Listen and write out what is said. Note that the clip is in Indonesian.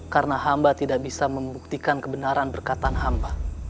karena hamba tidak bisa membuktikan kebenaran berkatan hamba